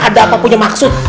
ada apa punya maksud